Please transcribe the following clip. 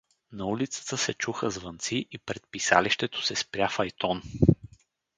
На улицата се чуха звънци и пред писалището се спря файтон.